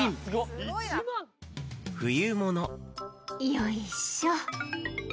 「よいしょ」